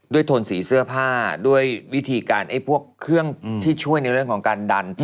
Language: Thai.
โทนสีเสื้อผ้าด้วยวิธีการพวกเครื่องที่ช่วยในเรื่องของการดัน